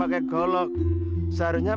aku sudah berhenti